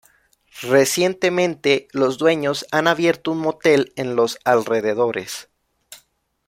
Recientemente, los dueños han abierto un motel en los alrededores.